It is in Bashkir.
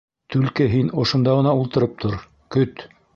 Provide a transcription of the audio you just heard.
Түлке һин ошонда ғына ултырып тор, көт.